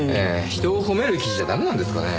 人を褒める記事じゃ駄目なんですかね？